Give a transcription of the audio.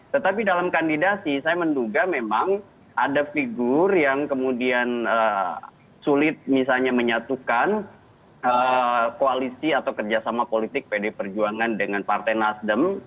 tetapi dalam kandidasi saya menduga memang ada figur yang kemudian sulit misalnya menyatukan koalisi atau kerjasama politik pd perjuangan dengan partai nasdem